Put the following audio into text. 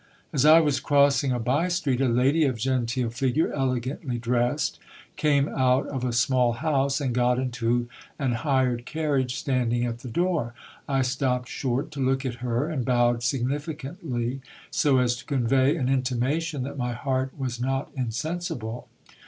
As I was crossing a bye street, a lady of genteel figure, elegandy dressed, came out of a small house, and got into an hired carriage standing at the door. I stopped short to look at her, and bowed significantly, so as to convey an in timation that my heart was not insensible.